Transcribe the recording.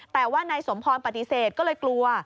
แต่ว่านายสมพรปฏิเสธก็เลยกลัว